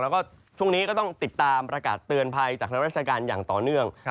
แล้วก็ช่วงนี้ก็ต้องติดตามประกาศเตือนภัยจากทางราชการอย่างต่อเนื่อง